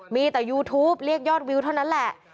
มีแต่ยูทูปเรียกยอดวิวเท่านั้นแหละ